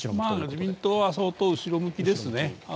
自民党は相当後ろ向きですね。